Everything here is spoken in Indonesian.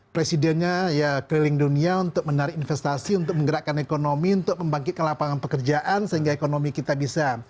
presidennya ya keliling dunia untuk menarik investasi untuk menggerakkan ekonomi untuk membangkitkan lapangan pekerjaan sehingga ekonomi kita bisa